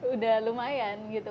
udah lumayan gitu